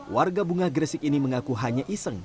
warga bunga gresik ini mengaku hanya iseng